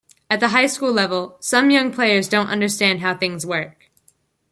At the high school level, some young players don't understand how things work.